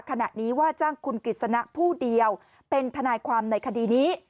ขณะนี้ว่าจ้างคุณกฤษณะผู้เดียวเป็นทนายความในคดีนี้